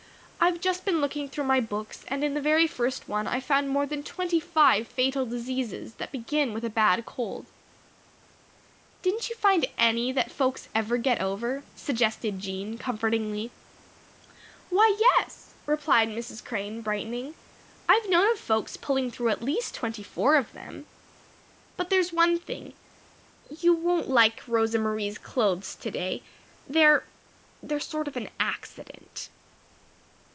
"I've just been looking through my books, and in the very first one I found more than twenty five fatal diseases that begin with a bad cold." "Didn't you find any that folks ever get over?" suggested Jean, comfortingly. "Why, yes," replied Mrs. Crane, brightening. "I've known of folks pulling through at least twenty four of them. But there's one thing. You won't like Rosa Marie's clothes to day. They're they're sort of an accident."